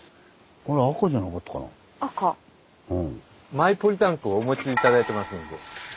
マイポリタンクをお持ち頂いてますので。